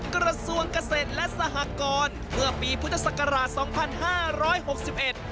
กระทรวงเกษตรและสหกรณ์เมื่อปีพุทธศักราช๒๕๖๑